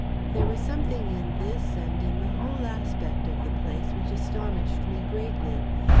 There was something in this and in the whole aspect of the place which astonished me greatly.